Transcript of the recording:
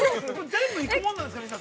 全部いくもんなんですか。